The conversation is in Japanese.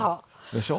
でしょ。